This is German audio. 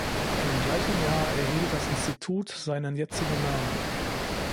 Im gleichen Jahr erhielt das Institut seinen jetzigen Namen.